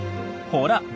ほら！